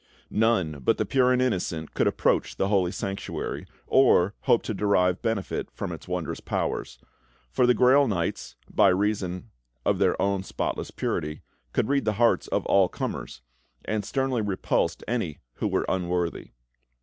None but the pure and innocent could approach the holy sanctuary, or hope to derive benefit from its wondrous powers; for the Grail Knights, by reason of their own spotless purity, could read the hearts of all comers, and sternly repulsed any who were unworthy.